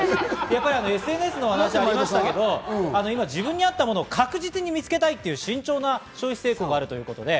ＳＮＳの話がありましたけれども、自分に合ったものを確実に見つけたいという慎重な消費性向があるということです。